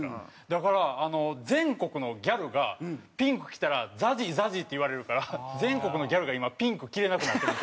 だから全国のギャルがピンク着たら「ＺＡＺＹ」「ＺＡＺＹ」って言われるから全国のギャルが今ピンク着れなくなってるみたいです。